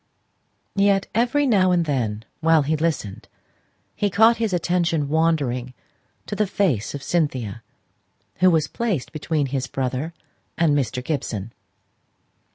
Yet, every now and then while he listened, he caught his attention wandering to the face of Cynthia, who was placed between his brother and Mr. Gibson.